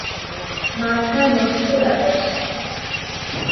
মাথা নষ্ট ব্যাপারস্যাপার!